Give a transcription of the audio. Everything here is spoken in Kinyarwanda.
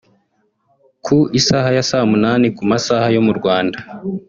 Ku isaha ya saa munani ku masaha yo mu Rwanda